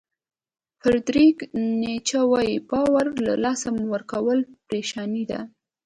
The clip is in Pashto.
فریدریک نیچه وایي باور له لاسه ورکول پریشاني ده.